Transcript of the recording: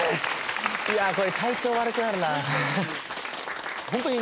いやこれ体調悪くなるな。